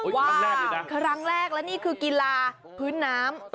ว้าวครั้งแรกแล้วนี่คือกีฬาพื้นน้ำ